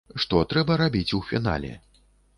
Што трэба рабіць у фінале?